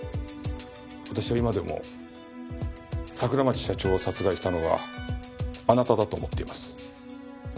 私は今でも桜町社長を殺害したのはあなただと思っています。